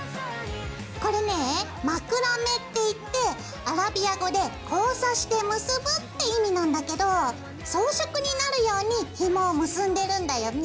これねまくらめっていってアラビア語で「交差して結ぶ」って意味なんだけど装飾になるようにひもを結んでるんだよね。